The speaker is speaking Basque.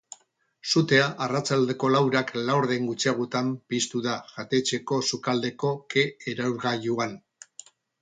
Sutea arratsaldeko laurak laurden gutxiagotan piztu da jatetxeko sukaldeko ke-erauzgailuan.